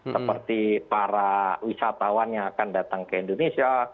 seperti para wisatawan yang akan datang ke indonesia